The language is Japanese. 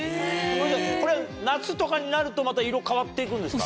これ夏とかになるとまた色変わっていくんですか？